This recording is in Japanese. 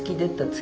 月。